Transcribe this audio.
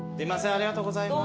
ありがとうございます。